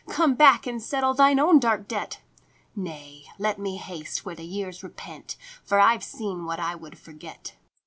Come back and settle thine own dark debt." " Nay, let me haste where the years repent, For I ve seen what I would forget."